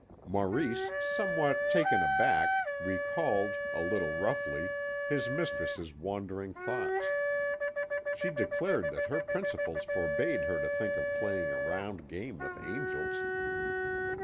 Maurice, somewhat taken aback, recalled, a little roughly, his mistress's wandering thoughts. She declared that her principles forbade her to think of playing a round game with angels.